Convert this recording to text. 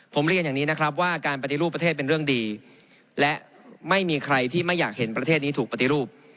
ผมเรียนอย่างนี้นะครับว่าการปฏิรูปประเทศเป็นเรื่องดีและไม่มีใครที่ไม่อยากเห็นประเทศนี้ถูกปฏิรูป